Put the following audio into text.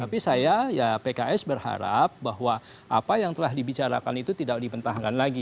tapi saya ya pks berharap bahwa apa yang telah dibicarakan itu tidak dipentahkan lagi